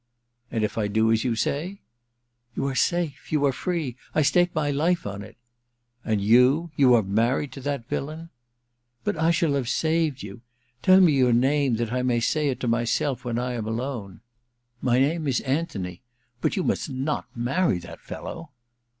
* And if I do as you say ?'* You are safe ! You are free ! I stake my life on it.* * And you — ^you are married to that villain ?'* But I shall have saved you. Tell me your name, that I may say it to myself when I am alone.* * My name is Anthony. But you must not marry that fellow.'